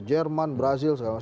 jerman brazil segala macam